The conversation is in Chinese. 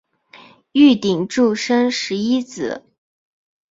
玉鼎柱生十一子。